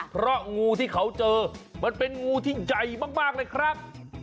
เพราะงูที่เขาเจอมันเป็นงูที่ใหญ่มากเลยครับ